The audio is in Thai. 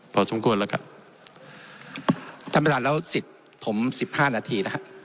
พอสมควรแล้วครับท่านประธานแล้วสิทธิ์ผมสิบห้านาทีนะฮะ